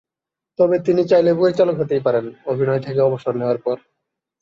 তবে তিনি চাইলে পরিচালক হতেই পারেন অভিনয় থেকে অবসর নেওয়ার পর।